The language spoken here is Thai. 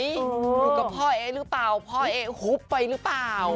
อยู่กับพ่อเอ๊ะหรือเปล่าพ่อเอ๊หุบไปหรือเปล่า